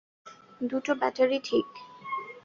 দুটো ব্যাটারি, ঠিক?